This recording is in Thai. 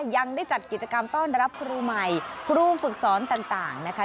ยังได้จัดกิจกรรมต้อนรับครูใหม่ครูฝึกสอนต่างนะคะ